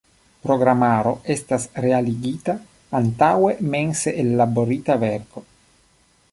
Programaro estas realigita antaŭe mense ellaborita verko.